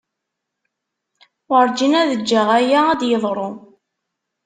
Werǧin ad ǧǧeɣ aya ad d-yeḍru.